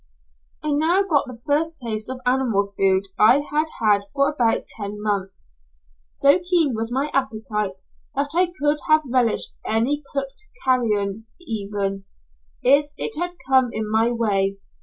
I now got the first taste of animal food I had had for about ten months. So keen was my appetite that I could have relished any cooked carrion even, if it had come in my way.